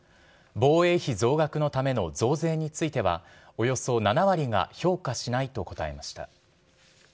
防衛費増額のための増税については、およそ７割が評価しないと答えました。